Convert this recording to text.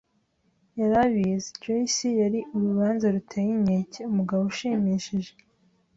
yari abizi; Joyce yari urubanza ruteye inkeke - umugabo ushimishije,